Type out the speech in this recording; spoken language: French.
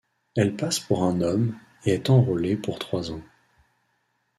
Elle passe pour un homme et est enrôlée pour trois ans.